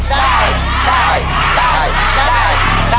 ได้ได้ได้ได้ได้